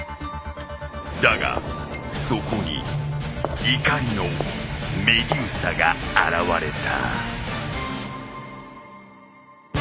［だがそこに怒りのメデューサが現れた］